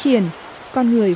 yêu mê lời